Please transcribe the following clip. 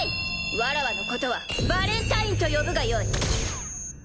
わらわのことはバレンタインと呼ぶがよい！